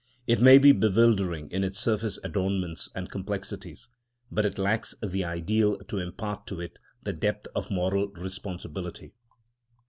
It may be bewildering in its surface adornments and complexities, but it lacks the ideal to impart to it the depth of moral responsibility.